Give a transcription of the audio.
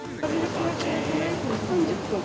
３０分。